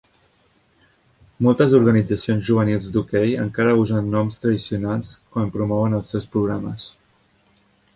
Moltes organitzacions juvenils d'hoquei encara usen els noms tradicionals quan promouen els seus programes.